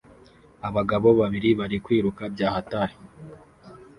Abagabo babiri bari kwiruka byahatari